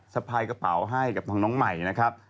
สะพายกระเป๋าให้กับทางน้องใหม่นะครับ